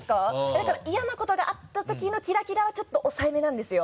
だから嫌なことがあったときのキラキラはちょっと抑えめなんですよ。